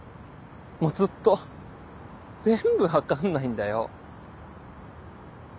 もうずっと全部分かんないんだよ。